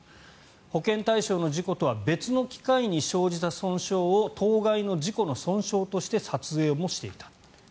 保険対象の事故とは別の機会に生じた損傷を当該の事故の損傷として撮影もしていた。